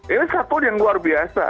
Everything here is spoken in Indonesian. ini satuan yang luar biasa